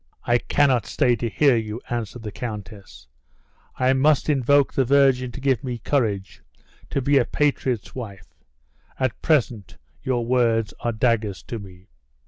"I cannot stay to hear you!" answered the countess; "I must invoke the Virgin to give me courage to be a patriot's wife; at present, your words are daggers to me."